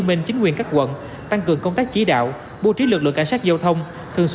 minh chính quyền các quận tăng cường công tác chỉ đạo bố trí lực lượng cảnh sát giao thông thường